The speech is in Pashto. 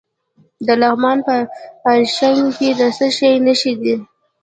د لغمان په الیشنګ کې د څه شي نښې دي؟